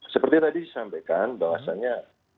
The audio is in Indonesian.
seperti tadi disampaikan bahwasannya